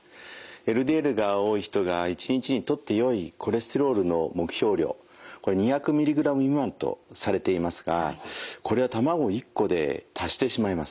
ＬＤＬが多い人が１日にとってよいコレステロールの目標量これ２００ｍｇ未満とされていますがこれは卵１個で達してしまいます。